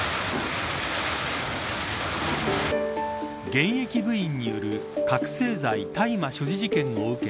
現役部員による覚せい剤・大麻所持事件を受け